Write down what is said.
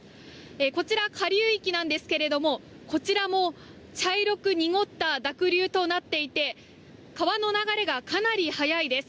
こちら、下流域なんですがこちらも茶色く濁った濁流となっていて川の流れがかなり速いです。